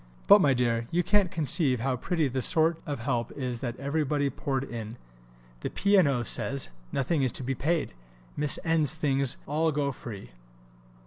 But, my dear, you can't conceive how pretty the sort of help is that everybody poured in; the P. & O. says, nothing is to be paid, Miss N.'s things all go free.